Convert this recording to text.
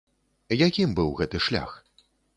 Якім быў гэты шлях?